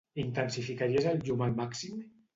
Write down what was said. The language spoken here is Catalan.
Intensificaries el llum al màxim?